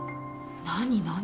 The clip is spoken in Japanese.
何何？